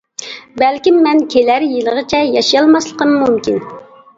بەلكىم مەن كېلەر يىلىغىچە ياشىيالماسلىقىم مۇمكىن.